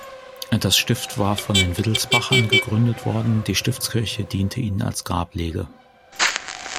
Das Stift war von den Wittelsbachern gegründet worden, die Stiftskirche diente ihnen als Grablege.